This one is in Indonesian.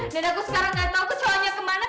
dan aku sekarang gak tau kecoanya kemana terbang